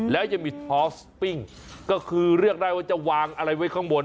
แล้วยังมีทอสปิ้งก็คือเลือกได้ว่าจะวางอะไรไว้ข้างบน